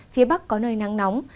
phía bắc có nơi nắng nóng